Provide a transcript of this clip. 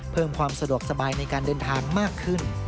เพิ่มความสะดวกสบายในการเดินทางมากขึ้น